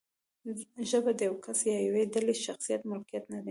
ژبه د یو کس یا یوې ډلې شخصي ملکیت نه دی.